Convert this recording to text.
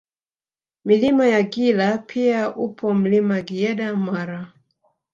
Milima ya Gila pia upo Mlima Giyeda Mara